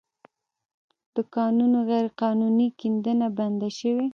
د کانونو غیرقانوني کیندنه بنده شوې